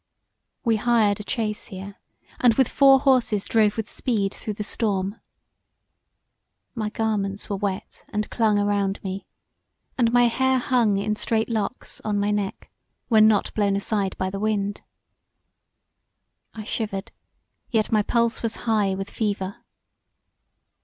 We hired a chaise here, and with four horses drove with speed through the storm. My garments were wet and clung around me, and my hair hung in straight locks on my neck when not blown aside by the wind. I shivered, yet my pulse was high with fever.